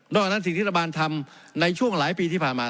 นอกจากนั้นสิ่งที่ทุกคนทำในช่วงหลายปีที่ผ่านมา